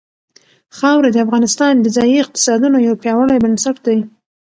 خاوره د افغانستان د ځایي اقتصادونو یو پیاوړی بنسټ دی.